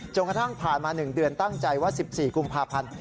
กระทั่งผ่านมา๑เดือนตั้งใจว่า๑๔กุมภาพันธ์